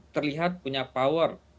terlihat punya power